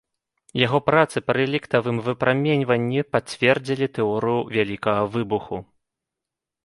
Яго працы па рэліктавым выпраменьванні пацвердзілі тэорыю вялікага выбуху.